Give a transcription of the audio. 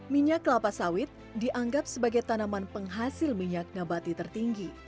minyak kelapa sawit dianggap sebagai tanaman penghasil minyak nabati tertinggi